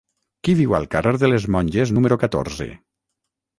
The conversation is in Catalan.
Qui viu al carrer de les Monges número catorze?